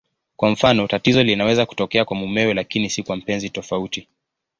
Kwa mfano, tatizo linaweza kutokea kwa mumewe lakini si kwa mpenzi tofauti.